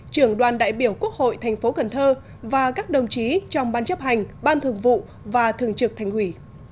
trưởng đoàn đại biểu quốc hội thành phố cần thơ và các đồng chí trong ban chấp hành ban thường vụ và thường trực thành ủy